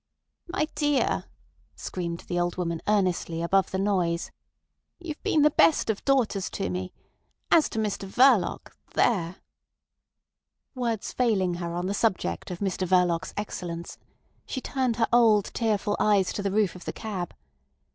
"My dear," screamed the old woman earnestly above the noise, "you've been the best of daughters to me. As to Mr Verloc—there—" Words failing her on the subject of Mr Verloc's excellence, she turned her old tearful eyes to the roof of the cab.